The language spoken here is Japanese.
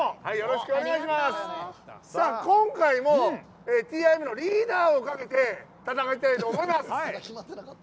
今回もＴＩＭのリーダーをかけて戦いたいと思います。